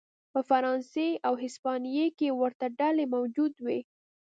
په فرانسې او هسپانیې کې ورته ډلې موجود وې.